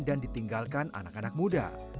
dan ditinggalkan anak anak muda